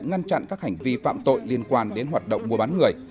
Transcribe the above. ngăn chặn các hành vi phạm tội liên quan đến hoạt động mua bán người